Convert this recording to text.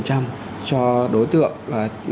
cho đối tượng